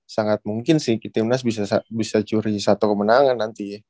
sangat mungkin sih timnas bisa curi satu kemenangan nanti ya